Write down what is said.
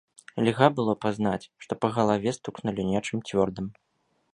Льга было пазнаць, што па галаве стукнулі нечым цвёрдым.